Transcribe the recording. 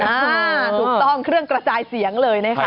ถูกต้องเครื่องกระจายเสียงเลยนะคะ